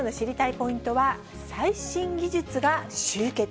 ポイントは、最新技術が集結。